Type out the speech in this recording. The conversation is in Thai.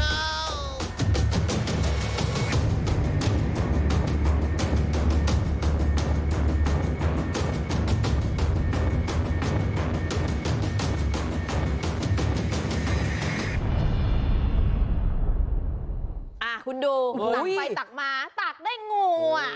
อ่าคุณดูตักไปตักมาตักได้งูอ่ะ